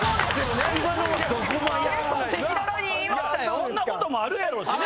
そんなこともあるやろうしね。